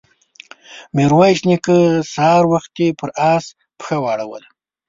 ميرويس نيکه سهار وختي پر آس پښه واړوله.